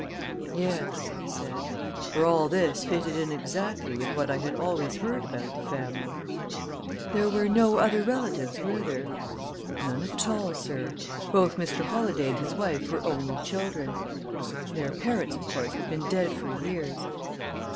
"Yes," I said: for all this fitted in exactly with what I had always heard about the family. "There were no other relatives, were there?" "None at all, sir; both Mr. Holladay and his wife were only children; their parents, of course, have been dead for years."